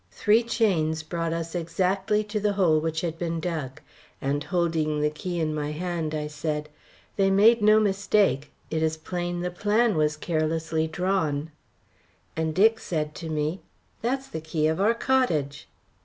Three chains brought us exactly to the hole which had been dug, and holding the key in my hand, I said: "They made no mistake. It is plain the plan was carelessly drawn." And Dick said to me: "That's the key of our cottage."